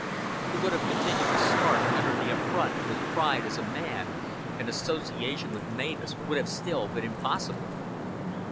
He would have continued to smart under the affront to his pride as a man, and association with Mavis would have still been impossible.